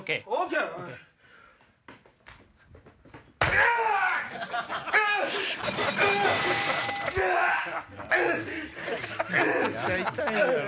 めっちゃ痛いやろ。